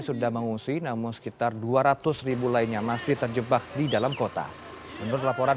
sudah mengungsi namun sekitar dua ratus ribu lainnya masih terjebak di dalam kota menurut laporan